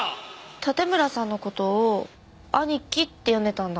盾村さんの事を兄貴って呼んでたんだ。